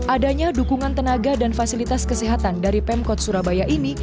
adanya dukungan tenaga dan fasilitas kesehatan dari pemkot surabaya ini